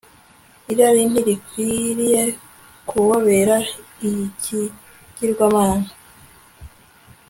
irari ntirikwiriye kubabera ikigirwamana